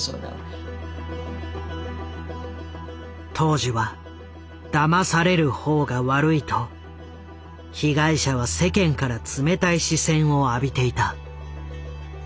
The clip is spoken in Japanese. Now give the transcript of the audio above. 当時は「だまされる方が悪い」と被害者は世間から冷たい視線を浴びていた。